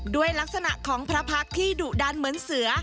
ด้วยลักษณะของพระพักษ์ที่ดุดันเหมือนเสือ